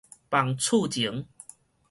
房厝前